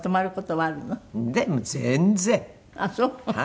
ああそう。